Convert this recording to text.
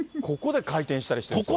ここで回転したりした。